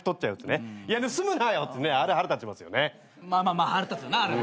まあ腹立つよなあれも。